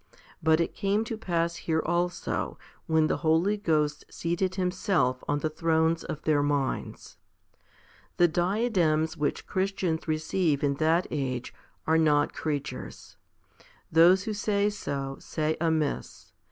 But it came to pass here also, when the Holy Ghost seated Himself on the thrones of their minds. The diadems which Christians receive in that age are not creatures. Those who say so, say amiss.